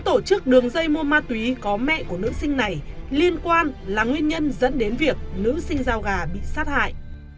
tổ chức đường dây mua ma túy có mẹ của nữ sinh này liên quan là nguyên nhân dẫn đến việc nữ sinh giao gà bị sát hại